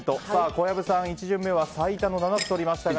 小籔さん、１巡目は最多の７つ取りましたが。